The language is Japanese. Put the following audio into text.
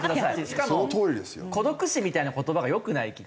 しかも「孤独死」みたいな言葉が良くない気がして。